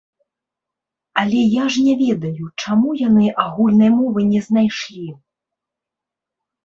Але я ж не ведаю, чаму яны агульнай мовы не знайшлі.